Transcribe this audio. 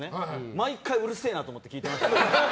毎回うるせえなと思いながら聞いてましたよ。